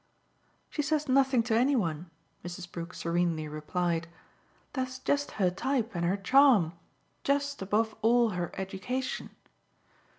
"She says nothing to any one," Mrs. Brook serenely replied; "that's just her type and her charm just above all her education."